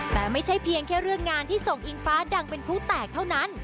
แต่ไม่ใช่เพียงแค่เรื่องงานที่ส่งอิงฟ้าดังเป็นผู้แตกเท่านั้น